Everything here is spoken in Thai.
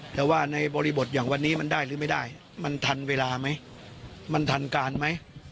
แต่ว่าในบริบทอย่างวันนี้มันได้หรือไม่ได้มันทันเวลาไหมมันทันการไหม